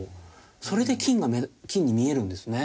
それで金に見えるんですね。